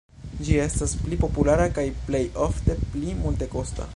Ĝi estas pli populara kaj plej ofte pli multekosta.